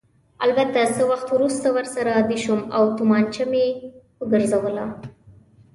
البته څه وخت وروسته ورسره عادي شوم او تومانچه به مې ګرځوله.